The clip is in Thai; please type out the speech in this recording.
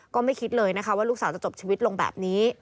ก็ไม่คิดเลยนะคะว่าลูกสาวจะจบชีวิตลงแบบนี้